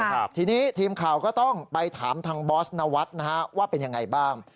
ครับทีนี้ทีมข่าวก็ต้องไปถามทางบอสนวัฒน์นะฮะว่าเป็นยังไงบ้าง